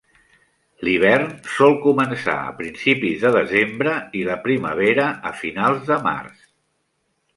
L"hivern sol començar a principis de desembre i la primavera a finals de març.